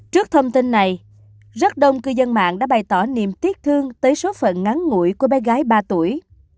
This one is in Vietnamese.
trước thông tin này rất đông cư dân mạng đã bày tỏ niềm tiếc thương tới số phận ngắn ngủi của bé gái ba tuổi